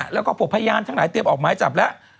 แล้วก็พวกพยานทั้งหลายเตรียมออกหมายจับแล้ว